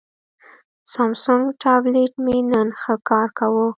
سامسنګ ټابلیټ مې نن ښه کار کاوه.